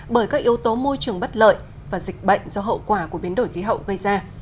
bởi các yếu tố môi trường bất lợi và dịch bệnh do hậu quả của biến đổi khí hậu gây ra